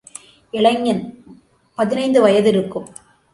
இளைஞன், பதினைந்து வயதிருக்கும்.